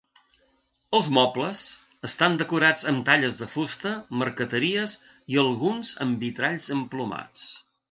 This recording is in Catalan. Els mobles estan decorats amb talles en fusta, marqueteries, i alguns amb vitralls emplomats.